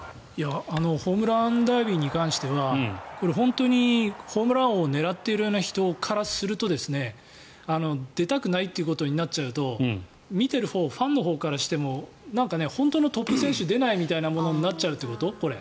ホームランダービーに関しては本当にホームラン王を狙っているような人からすると出たくないってことになっちゃうと見ているほうファンのほうからしても本当のトップ選手は出ないというものになっちゃうということ？